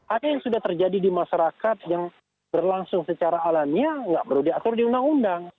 ada yang sudah terjadi di masyarakat yang berlangsung secara alamiah nggak perlu diatur di undang undang